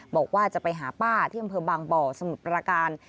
บอกว่าจะไปหาป้าที่อำเภอบางบ่อสมุทรประการ